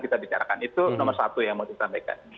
kita bicarakan itu nomor satu yang mau disampaikan